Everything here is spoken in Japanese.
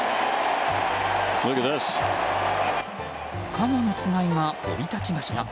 カモのつがいが降り立ちました。